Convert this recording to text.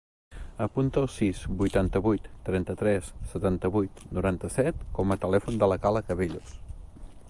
Apunta el sis, vuitanta-vuit, trenta-tres, setanta-vuit, noranta-set com a telèfon de la Kala Cabellos.